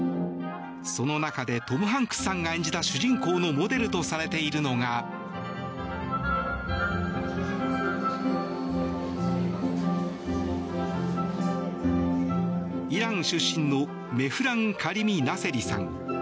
その中でトム・ハンクスさんが演じた主人公のモデルとされているのがイラン出身のメフラン・カリミ・ナセリさん。